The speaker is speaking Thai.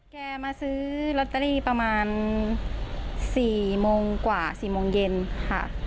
แกมาซื้อลอตเตอรี่ประมาณ๔โมงกว่า๔โมงเย็นค่ะ